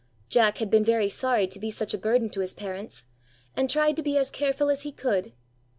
Jack had been very sorry to be such a burden to his parents, and tried to be as careful as he could.